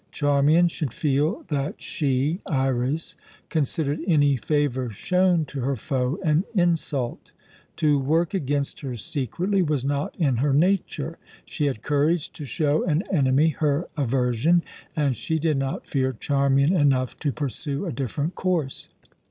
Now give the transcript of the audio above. Charmian should feel that she (Iras) considered any favour shown to her foe an insult. To work against her secretly was not in her nature. She had courage to show an enemy her aversion, and she did not fear Charmian enough to pursue a different course.